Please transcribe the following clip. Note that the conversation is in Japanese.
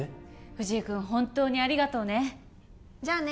藤井君本当にありがとうねじゃあね